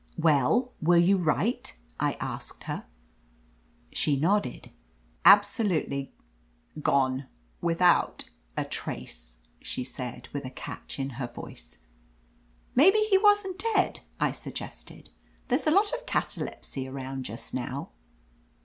" 'Well, were you right ?' I asked her. "She nodded. 'Absolutely gone, without a trace !' she said with a catch in her voice. 'Maybe he wasn't dead,' I suggested. There's a lot of catalepsy around just now.'